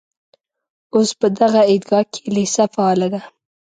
اوس په دغه عیدګاه کې لېسه فعاله ده.